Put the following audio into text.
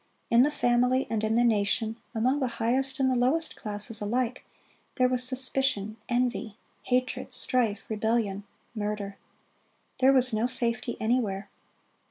In the family and in the nation, among the highest and the lowest classes alike, there was suspicion, envy, hatred, strife, rebellion, murder. There was no safety anywhere.